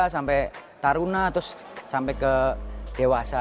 sampai taruna terus sampai ke dewasa